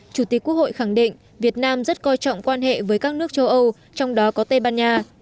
chủ tịch quốc hội khẳng định việt nam rất coi trọng quan hệ với các nước châu âu trong đó có tây ban nha